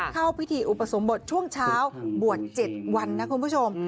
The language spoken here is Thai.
เข้าพิธีอุปสมบทช่วงเช้าบวช๗วันนะคุณผู้ชม